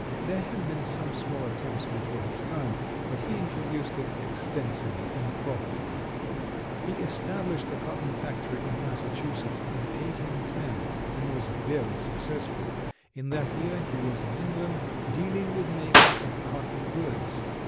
There had been some small attempts before his time, but he introduced it extensively and profitably. He established a cotton factory in Massachusetts in 1810, and was very successful. In that year he was in England, dealing with makers of cotton goods.